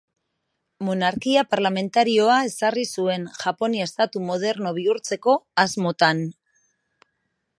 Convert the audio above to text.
Monarkia parlamentarioa ezarri zuen, Japonia estatu moderno bihurtzeko asmotan.